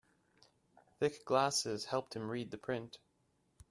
Thick glasses helped him read the print.